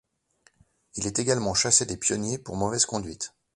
Il est également chassé des pionniers pour mauvaise conduite.